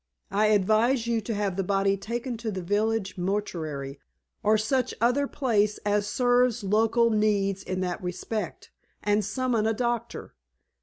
I advise you to have the body taken to the village mortuary, or such other place as serves local needs in that respect, and summon a doctor.